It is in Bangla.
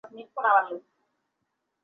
আমি তোমাকে ড্রাইভ করে নিয়ে যাব।